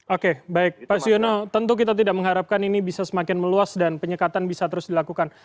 oke baik pak suyono tentu kita tidak mengharapkan ini bisa semakin meluas dan penyekatan bisa terus dilakukan